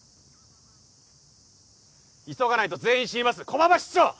急がないと全員死にます駒場室長！